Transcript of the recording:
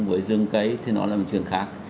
bởi rừng cây thì nó là một chuyện khác